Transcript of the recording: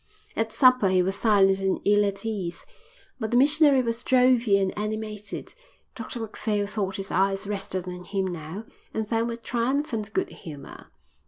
At supper he was silent and ill at ease, but the missionary was jovial and animated. Dr Macphail thought his eyes rested on him now and then with triumphant good humour.